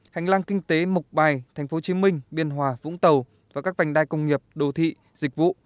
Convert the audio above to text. hành lang kinh tế mộc bài tp hcm biên hòa vũng tàu và các vành đai công nghiệp đô thị dịch vụ